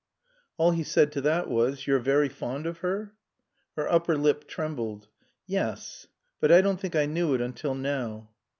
All he said to that was "You're very fond of her?" Her upper lip trembled. "Yes. But I don't think I knew it until now."